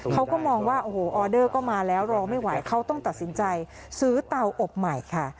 เขาก็มองว่าโอ้โหออเดอร์ก็มาแล้วรอไม่ไหวเขาต้องตัดสินใจซื้อเตาอบใหม่ค่ะ